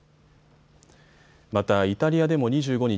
またイタリアでも２５日